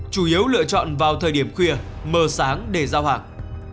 chủ yếu lựa chọn vào thời điểm khuya mờ sáng để giao hàng